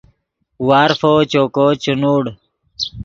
وارفو چوکو چے نوڑ